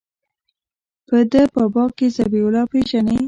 په ده بابا کښې ذبيح الله پېژنې.